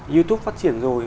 youtube phát triển rồi